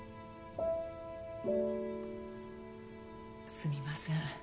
すみません